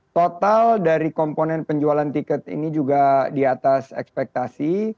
total dari komponen penjualan tiket ini juga di atas ekspektasi